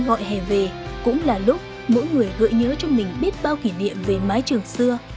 gọi hè về cũng là lúc mỗi người gợi nhớ cho mình biết bao kỷ niệm về mái trường xưa